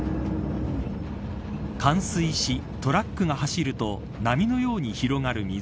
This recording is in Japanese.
冠水し、トラックが走ると波のように広がる水。